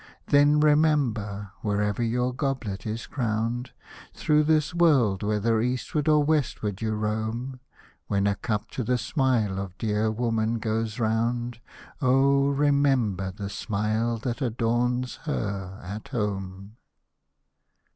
Then remember, wherever your goblet is crowned, Thro' this world, whether eastward or westward you roam, When a cup to the smile of dear woman goes round, Oh ! remember the smile that adorns her at home.